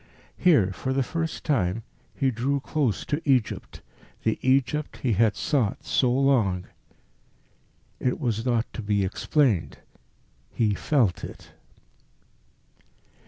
Here, for the first time, he drew close to Egypt, the Egypt he had sought so long. It was not to be explained. He felt it.